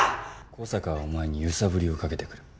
小坂はお前に揺さぶりをかけてくる。